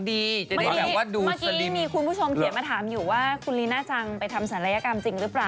เมื่อกี้มีคุณผู้ชมเขียนมาถามอยู่ว่าคุณลีน่าจังไปทำศัลยกรรมจริงหรือเปล่า